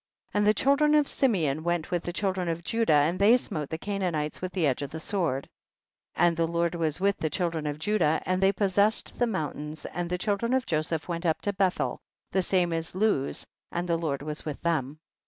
7. And the children of Simeon went with the children of Judah, and they smote the Canaanites with the edge of the sword. 8. And the Lord was with the children of Judah, and they possess ed the mountain, and the children of Joseph went up to Bethel, the same is Luz, and the Lord was with them.